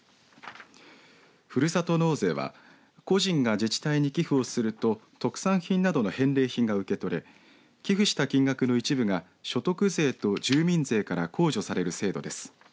ふるさと納税は個人が自治体に寄付をすると特産品などの返礼品が受け取れ寄付した金額の一部が所得税と住民税から控除される制度です。